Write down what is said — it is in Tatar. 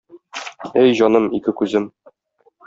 Әй, җаным, ике күзем.